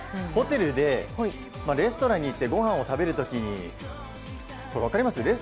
ホテルでレストランに行ってごはんを食べる時に分かります？